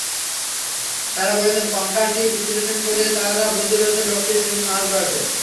তাঁরা বলেছেন, কঙ্কালটি বিশ্লেষণ করে তাঁরা বুঝতে পেরেছেন, লোকটি ছিলেন মাঝ বয়সের।